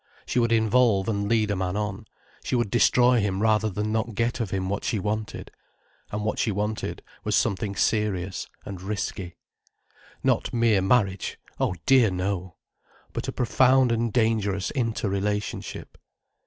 She would involve and lead a man on, she would destroy him rather than not get of him what she wanted. And what she wanted was something serious and risky. Not mere marriage—oh dear no! But a profound and dangerous inter relationship.